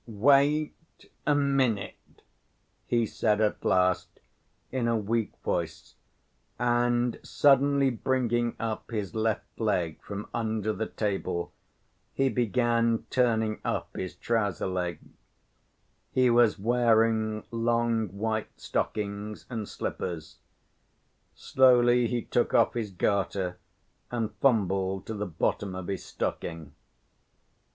"Wait a minute," he said at last in a weak voice, and suddenly bringing up his left leg from under the table, he began turning up his trouser leg. He was wearing long white stockings and slippers. Slowly he took off his garter and fumbled to the bottom of his stocking.